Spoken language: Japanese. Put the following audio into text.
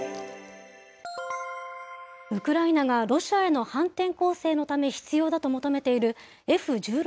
ウクライナがロシアへの反転攻勢のため必要だと求めているＦ１６